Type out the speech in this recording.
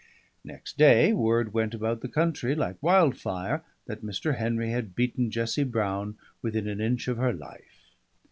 Next day word went about the country like wildfire that Mr. Henry had beaten Jessie Broun within an inch of her life.